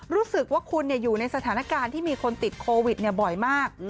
รู้สึกว่าคุณอยู่ในสถานการณ์ที่มีคนติดโควิดบ่อยมาก